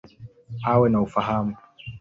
Awe na ufahamu.